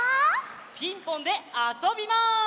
「ピンポン」であそびます！